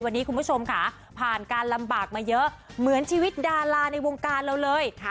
วันนี้คุณผู้ชมค่ะผ่านการลำบากมาเยอะเหมือนชีวิตดาราในวงการเราเลย